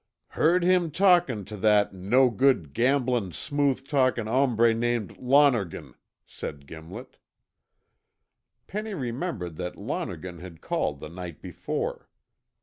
"Heard him talkin' tuh that no good, gambling smooth talkin' hombre named Lonergan," said Gimlet. Penny remembered that Lonergan had called the night before.